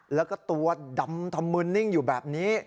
แล้วก็ตัวดำทำมืนนิ่งอยู่แบบนี้